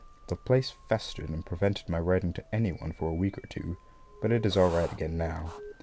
The place festered and prevented my writing to any one for a week or two, but it is all right again now.